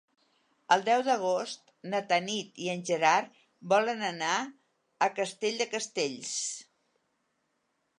El deu d'agost na Tanit i en Gerard volen anar a Castell de Castells.